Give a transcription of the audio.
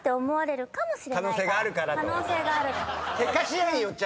可能性があるからと。